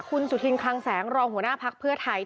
คุณสุธินคลังแสงรองหัวหน้าภักดิ์เพื่อไทย